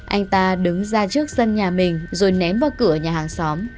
anh ta đứng ra trước sân nhà mình rồi ném vào cửa nhà hàng xóm